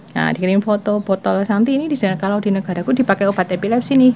nah dikrimi foto botol nanti ini kalau di negara aku dipakai obat epilepsi nih